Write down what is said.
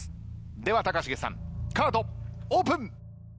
では高重さんカードオープン。